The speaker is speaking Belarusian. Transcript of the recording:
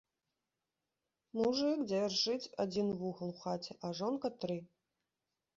Мужык дзяржыць адзiн вугал у хаце, а жонка — тры